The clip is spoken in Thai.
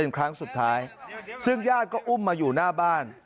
เป็นครั้งสุดท้ายซึ่งญาติก็อุ้มมาอยู่หน้าบ้าน